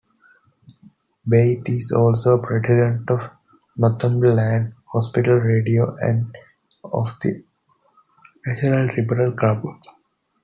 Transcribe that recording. Beith is also President of Northumberland Hospital Radio and of the National Liberal Club.